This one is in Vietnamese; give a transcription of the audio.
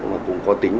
mà cũng có tính